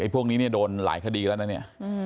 พวกนี้โดนหลายคดีแล้วนะเนี่ย